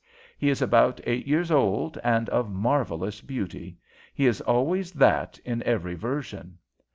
He is about eight years old and of marvellous beauty. He is always that in every version.